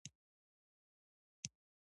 راکټ د ساینس، هنر او تخنیک یو ځای والې دی